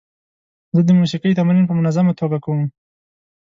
زه د موسیقۍ تمرین په منظمه توګه کوم.